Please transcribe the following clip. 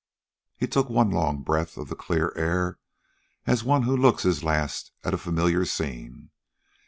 He took one long breath of the clear air as one who looks his last at a familiar scene.